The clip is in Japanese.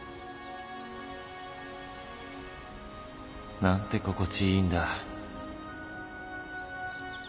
なんて心地いいんだ